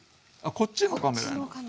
こっちのカメラに。